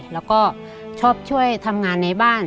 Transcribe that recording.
แล้วก็ชอบช่วยทำงานในบ้าน